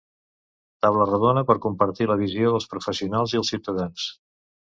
Taula rodona per compartir la visió dels professionals i els ciutadans.